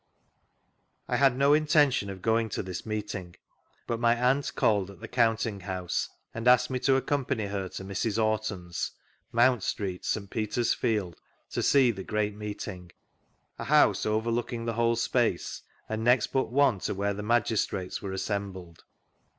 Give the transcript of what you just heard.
I had no intention of going to this meeting. But my Aunt called at the Counting House and asked mie to accompany her to Mrs. Orton's, Mount Street, St. Peter's field, to see the grfeat meeting — a house overlooking the whole space, and next but one to where the Magistrates were assembled.